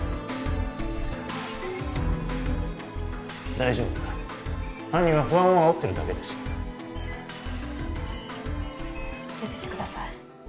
大丈夫犯人は不安をあおってるだけです出てってください